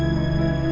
ini udah berakhir